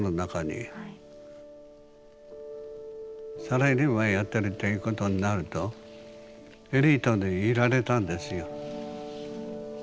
サラリーマンやってるっていうことになるとエリートでいられたんですよ。